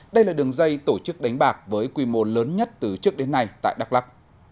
đây là đường dây tổ chức đánh bạc với quy mô lớn nhất từ trước đến nay tại đắk lắc